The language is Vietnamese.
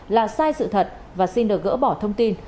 là sai sự thật và xin được gỡ bỏ thông tin